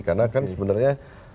karena kan sebenarnya